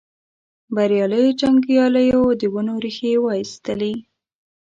بریالیو جنګیالیو د ونو ریښې وایستلې.